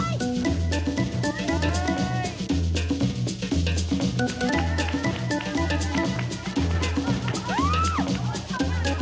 ดเกอร์นะวินัทต้องชุดบาทเหรอ